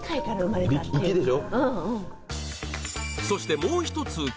そしてもう一つ